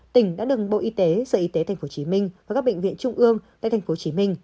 tỉnh đã đựng bộ y tế sở y tế tp hcm và các bệnh viện trung ương tại tp hcm